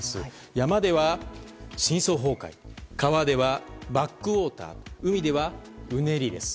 山では深層崩壊川ではバックウォーター海では、うねりです。